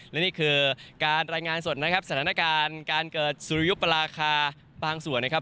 และนี่คือการรายงานสดนะครับสถานการณ์การเกิดสุริยุปราคาบางส่วนนะครับ